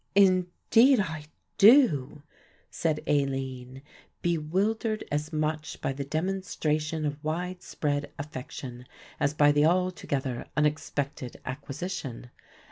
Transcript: "Indeed I do," said Aline, bewildered as much by the demonstration of widespread affection as by the altogether unexpected acquisition.